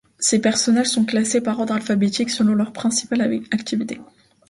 Ces personnages sont classés par ordre alphabétique selon leur principale activité.